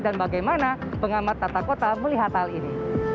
dan bagaimana pengamat tata kota melihat hal ini